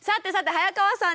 早川さん！